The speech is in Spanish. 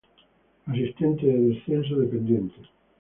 Asistente de descenso de pendientes.